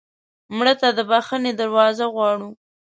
مړه ته د بښنې دروازه غواړو